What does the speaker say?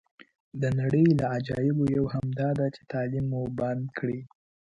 د نړۍ له عجایبو یوه هم داده چې تعلیم مو بند کړی.